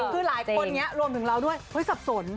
คือหลายคนนี้รวมถึงเราด้วยสับสน